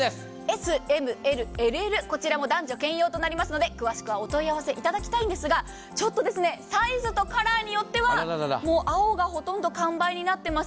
Ｓ、Ｍ、Ｌ、ＬＬこちらも男女兼用となりますので詳しくは、お問い合わせいただきたいんですがちょっとサイズとカラーによっては青がほとんど完売になっています。